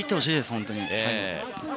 本当に。